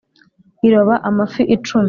iroba amafi i cumi